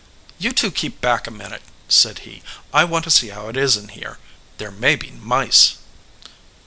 "You two keep back a minute," said he. "I want to see how it is in here. There may be mice."